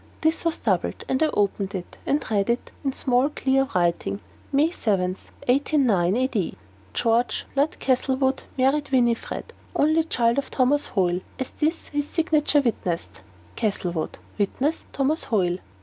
This was doubled, and I opened it, and read, in small clear writing: "May 7, 1809 A.D., George, Lord Castlewood, married Winifred, only child of Thomas Hoyle, as this his signature witnesseth. "CASTLEWOOD. "(Witness) THOMAS HOYLE."